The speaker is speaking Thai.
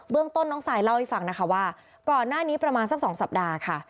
เรื่องต้นน้องซายเล่าให้ฟังนะคะว่าก่อนหน้านี้ประมาณสัก๒สัปดาห์ค่ะ